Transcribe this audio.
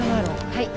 はい。